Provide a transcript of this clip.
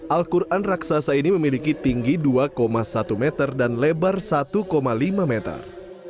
al quran raksasa ini memiliki tinggi dua satu meter dan lebar satu lima meter